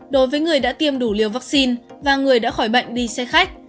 đối với người đã tiêm đủ liều vaccine và người đã khỏi bệnh đi xe khách